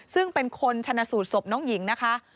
ซึ่งเป็นคนชนะสูตรศพน้องหญิงนะคะ